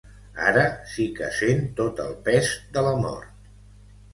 Ara sí que sent tot el pes de la mort.